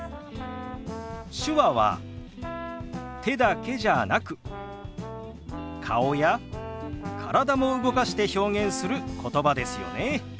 手話は手だけじゃなく顔や体も動かして表現することばですよね。